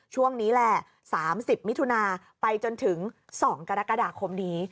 ช่วงนี้แหละสามสิบมิถุนาไปจนถึงสองกรกฎาคมนี้